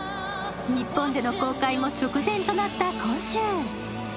日本での公開も直前となった今週。